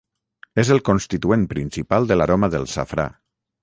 És el constituent principal de l'aroma del safrà.